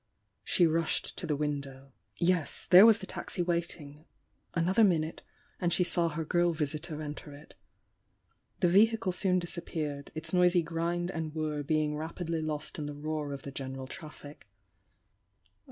She rushed to the window. Yes, — there was the taxi waiting, — an other minute, and she saw her girl visitor enter it. The Vehicle soon disappeared, its noisy grind and whir being rapidly lost in the roar of the general traffic.